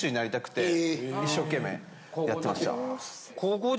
一生懸命やってました。